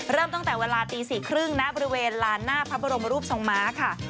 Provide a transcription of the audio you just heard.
เริ่มตั้งแต่เวลาตี๔๓๐ณบริเวณลานหน้าพระบรมรูปทรงม้าค่ะ